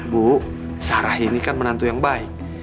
bu sarah ini kan menantu yang baik